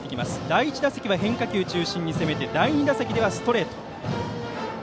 第１打席は変化球中心に攻めて第２打席ではストレート。